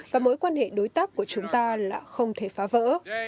và mối quan hệ đối tác của chúng ta là không thể phá vỡ